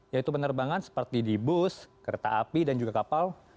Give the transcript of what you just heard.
yaitu penerbangan seperti di bus kereta api dan juga kapal